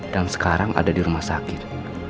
dan sekarang ada di rumah sakit